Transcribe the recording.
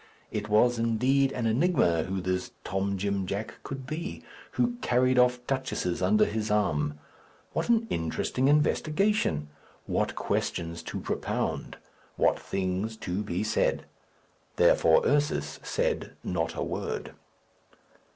It was, indeed, an enigma who this Tom Jim Jack could be, who carried off duchesses under his arm. What an interesting investigation! What questions to propound! What things to be said. Therefore Ursus said not a word.